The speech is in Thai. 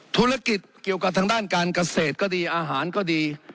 ธุรกิจเกี่ยวกับทางด้านการเกษตรก็ดีอาหารก็ดี